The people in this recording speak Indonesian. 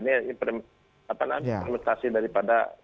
ini adalah implementasi daripada